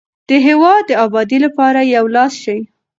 د هیواد د ابادۍ لپاره یو لاس شئ.